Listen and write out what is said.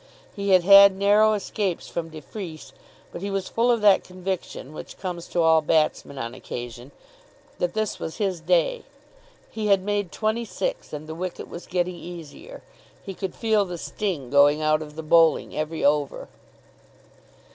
He had had narrow escapes from de Freece, but he was full of that conviction, which comes to all batsmen on occasion, that this was his day. He had made twenty six, and the wicket was getting easier. He could feel the sting going out of the bowling every over.